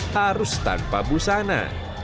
harus tanpa busana